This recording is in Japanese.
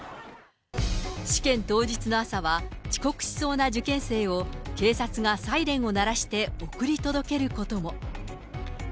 試験当日の朝は、遅刻しそうな受験生を警察がサイレンを鳴らして送り届けることも。